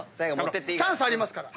チャンスありますから。